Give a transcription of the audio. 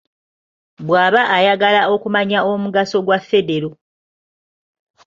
Bw'aba ayagala okumanya omugaso gwa Federo.